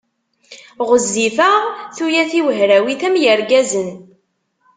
Ɣezzifeɣ, tuyat-iw hrawit am yirgazen.